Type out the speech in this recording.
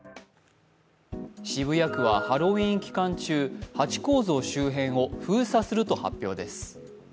渋谷区はハロウィーン期間中、ハチ公像周辺を封鎖すると発表です。